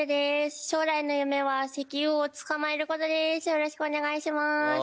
よろしくお願いしまーすあ